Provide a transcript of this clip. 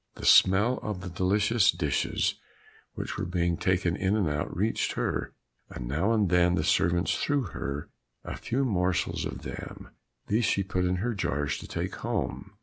The smell of the delicious dishes which were being taken in and out reached her, and now and then the servants threw her a few morsels of them: these she put in her jars to take home.